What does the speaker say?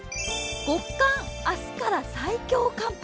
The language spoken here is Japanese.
極寒明日から最強寒波。